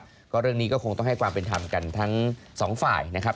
แล้วก็เรื่องนี้ก็คงต้องให้ความเป็นธรรมกันทั้งสองฝ่ายนะครับ